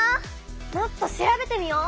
もっと調べてみよう！